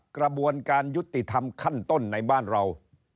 กระบวนการยุติธรรมขั้นต้นในบ้านเรา